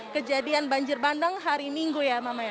kejadian banjir bandang hari minggu ya mama ya